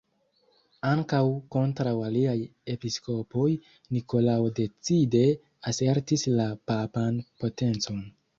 Ankaŭ kontraŭ aliaj episkopoj Nikolao decide asertis la papan potencon.